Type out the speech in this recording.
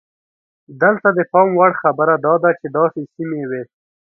دلته د پام وړ خبره دا ده چې داسې سیمې وې.